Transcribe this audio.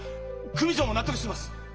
組長も納得してます！